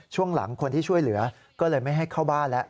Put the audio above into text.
ช่วงหลังคนที่ช่วยเหลือก็เลยไม่ให้เข้าบ้านแล้ว